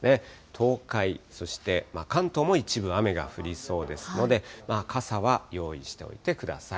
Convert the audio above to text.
東海、そして関東も一部雨が降りそうですので、傘は用意しておいてください。